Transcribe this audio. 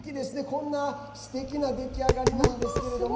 こんな、すてきな出来上がりなんですけれども。